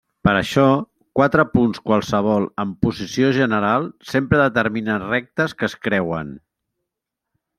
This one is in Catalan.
Per això, quatre punts qualssevol en posició general sempre determinen rectes que es creuen.